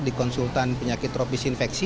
di konsultan penyakit tropis infeksi